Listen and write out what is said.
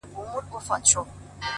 شاعري سمه ده چي ته غواړې!!